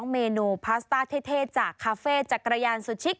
เมนูพาสต้าเท่จากคาเฟ่จักรยานสุชิค